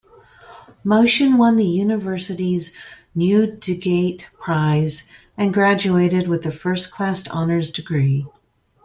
Motion won the university's Newdigate Prize and graduated with a first class honours degree.